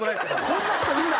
「こんな」って言うな。